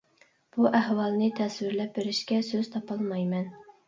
بۇ ئەھۋالنى تەسۋىرلەپ بېرىشكە سۆز تاپالمايمەن.